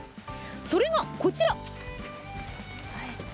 それがこちら。